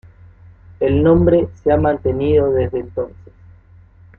El nombre se ha mantenido desde entonces.